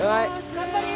頑張れよ！